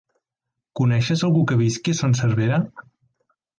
Coneixes algú que visqui a Son Servera?